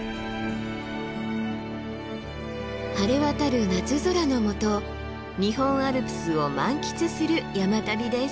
晴れ渡る夏空のもと日本アルプスを満喫する山旅です。